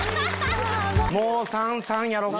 もう３回３回やろうか。